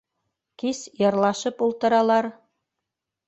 Кис йырлашып ултыралар.